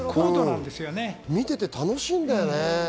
見てて楽しいんだよね。